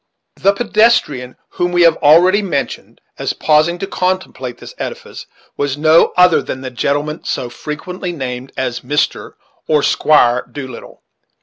The pedestrian whom we have already mentioned, as pausing to contemplate this edifice, was no other than the gentleman so frequently named as Mr. or Squire Doolittle.